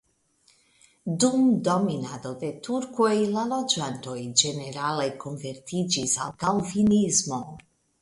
Dum dominado de turkoj la loĝantoj ĝenerale konvertiĝis al kalvinismo.